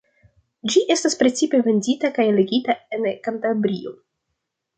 Ĝi estas precipe vendita kaj legita en Kantabrio.